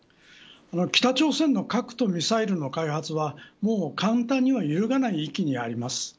北朝鮮の核とミサイルの開発は簡単には揺るがない域にあります。